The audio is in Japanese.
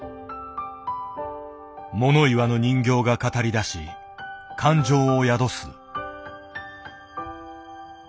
物言わぬ人形が語りだし感情を宿す。